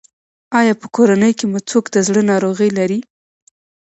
ایا په کورنۍ کې مو څوک د زړه ناروغي لري؟